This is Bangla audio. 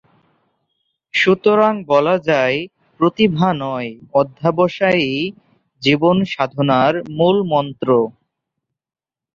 সুতরাং বলা যায়, প্রতিভা নয় অধ্যবসায়ই জীবন সাধনার মূলমন্ত্র।